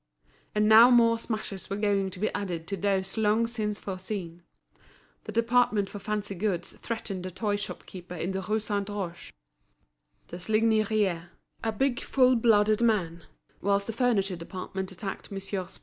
And now more smashes were going to be added to those long since foreseen; the department for fancy goods threatened a toy shopkeeper in the Rue Saint Roch, Deslignières, a big, full blooded man; whilst the furniture department attacked Messrs.